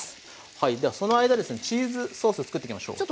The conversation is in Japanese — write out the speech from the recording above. はいではその間ですねチーズソースを作っていきましょう。